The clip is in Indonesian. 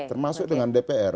termasuk dengan dpr